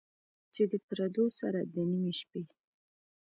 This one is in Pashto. چې د پردو سره، د نیمې شپې،